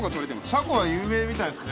シャコが有名みたいですね。